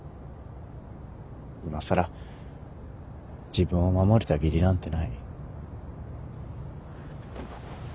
いまさら自分を守れた義理なんてない。